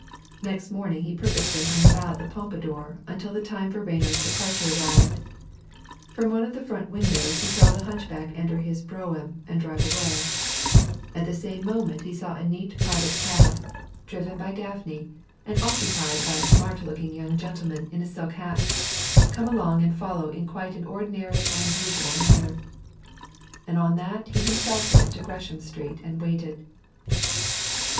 Next morning he purposely hung about the Pompadour until the time for Rayner's departure arrived; from one of the front windows he saw the hunchback enter his brougham and drive away; at the same moment he saw a neat private cab, driven by Gaffney, and occupied by a smart looking young gentleman in a silk hat, come along and follow in quite an ordinary and usual manner. And on that he himself went to Gresham Street and waited.